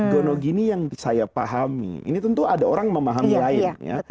gonogini yang saya pahami ini tentu ada orang memahami lain ya